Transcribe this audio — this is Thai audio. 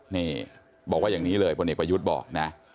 นี่บอกว่าอย่างนี้เลยพลเอกประยุทธ์บอกนะ